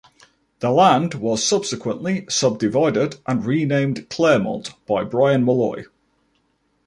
The land was subsequently subdivided, and renamed Claremont by Bryan Molloy.